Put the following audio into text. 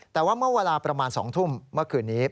แต่ว่าเมื่อเวลาประมาณ๒ทุ่มเมื่อคืนนี้